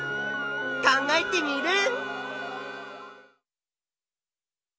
考えテミルン！